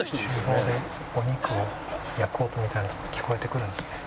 厨房でお肉を焼く音みたいなのが聞こえてくるんですね。